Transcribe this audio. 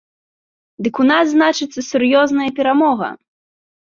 Дык у нас, значыцца, сур'ёзная перамога.